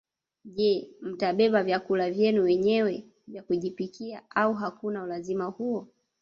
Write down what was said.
Je mtabeba vyakula vyenu wenyewe vya kujipikia au hakuna ulazima huo